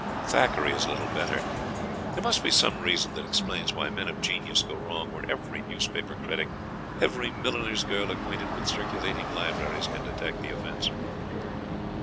Thackeray is little better. There must be some reason that explains why men of genius go wrong where every newspaper critic, every milliner's girl acquainted with circulating libraries, can detect the offence.